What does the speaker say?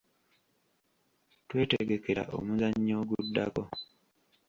Twetegekera omuzannyo oguddako.